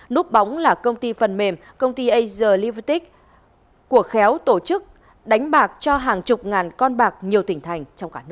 nút bóng là công ty phần mềm công ty asia levitic của khéo tổ chức đánh bạc cho hàng chục ngàn con bạc nhiều tỉnh thành